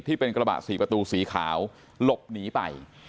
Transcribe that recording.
ที่เป็นกระบะสี่ประตูสีขาวหลบหนีไป